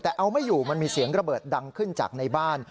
แต่เอาไม่อยู่มันมีเสียงระเบิดดังขึ้นจากในบ้าน